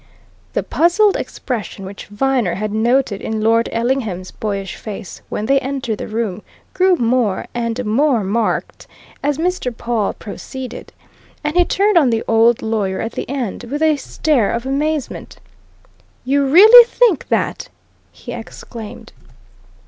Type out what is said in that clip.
The puzzled expression which Viner had noted in Lord Ellingham's boyish face when they entered the room grew more and more marked as Mr. Pawle proceeded, and he turned on the old lawyer at the end with a stare of amazement. "You really think that!" he exclaimed.